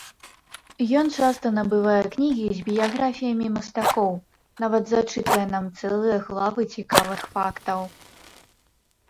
Ён часта набывае кнігі з біяграфіямі мастакоў, нават зачытвае нам цэлыя главы цікавых фактаў.